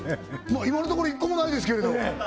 今のところ一個もないですけれどええ